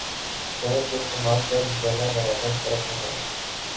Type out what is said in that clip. شہد کے استعمال پر ذرہ برابر فرق نہ پڑا۔